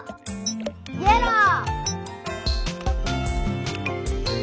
イエロー！